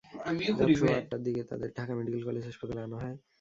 রাত সোয়া আটটার দিকে তাঁদের ঢাকা মেডিকেল কলেজ হাসপাতালে আনা হয়।